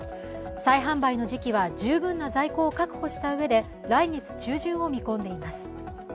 再販売の時期は十分な在庫を確保したうえで来月中旬を見込んでいます。